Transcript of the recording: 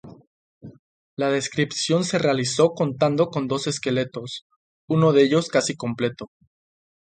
La descripción se realizó contando con dos esqueletos, uno de ellos casi completo.